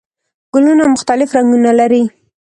ګلونه مختلف رنګونه لري